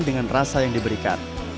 dengan rasa yang diberikan